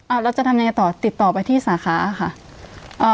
เราจะทำยังไงต่อติดต่อไปที่สาขาค่ะอ่า